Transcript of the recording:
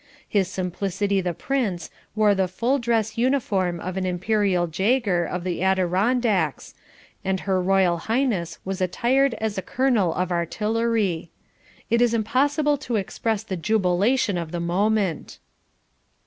His Simplicity the Prince wore the full dress uniform of an Imperial Jaeger of the Adirondacks, and Her Royal Highness was attired as a Colonel of Artillery. It is impossible to express the jubilation of the moment.